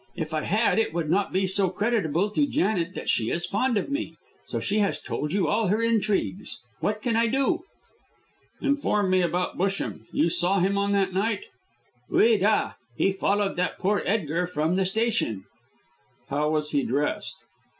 If I had it would not be so creditable to Janet that she is fond of me. So she has told you all her intrigues. What can I do?" "Inform me about Busham. You saw him on that night?" "Oui da! He followed that poor Edgar from the station." "How was he dressed?"